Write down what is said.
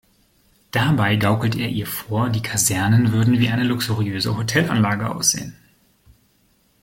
Dabei gaukelt er ihr vor, die Kasernen würden wie eine luxuriöse Hotelanlage aussehen.